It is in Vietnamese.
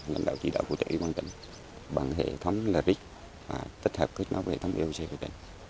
lãnh đạo chỉ đạo của tỉnh ủy ban tỉnh bằng hệ thống lric và tích hợp kết nối với hệ thống eoc của tỉnh